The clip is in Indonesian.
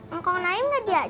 engkau naik gak diajak